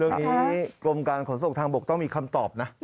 เรื่องนี้กรมพยาบาลของส่งทางบกต้องมีคำตอบนะ